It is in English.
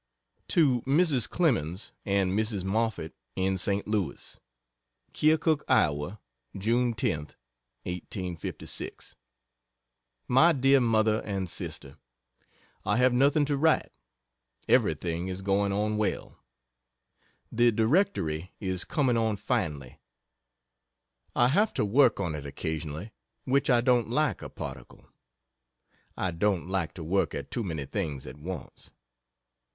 To Mrs. Clemens and Mrs. Moffett, in St. Louis: KEOKUK, Iowa, June 10th, 1856. MY DEAR MOTHER & SISTER, I have nothing to write. Everything is going on well. The Directory is coming on finely. I have to work on it occasionally, which I don't like a particle I don't like to work at too many things at once.